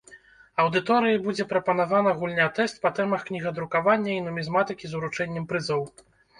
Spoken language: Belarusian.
Аўдыторыі будзе прапанавана гульня-тэст па тэмах кнігадрукавання і нумізматыкі з уручэннем прызоў.